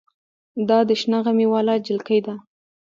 دا د شنه غمي واله جلکۍ ده.